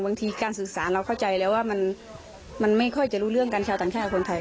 บางทีการศึกษาเราเข้าใจแล้วว่ามันมันไม่ค่อยจะรู้เรื่องกันแค่ว่า